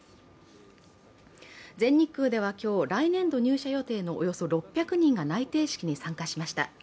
全日空では今日、来年度入社予定のおよそ６００人が内定式に参加しました。